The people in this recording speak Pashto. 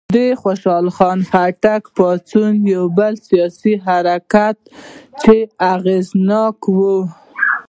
د خوشحال خان خټک پاڅون بل سیاسي حرکت و چې اغېزناک و.